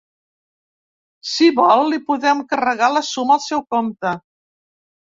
Si vol, li podem carregar la suma al seu compte.